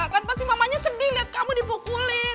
kan pasti mamanya sedih lihat kamu dipukulin